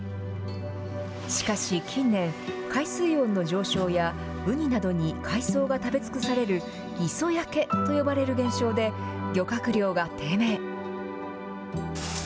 しかし、近年、海水温の上昇やウニなどに海藻が食べ尽くされる磯焼けと呼ばれる現象で、漁獲量が低迷。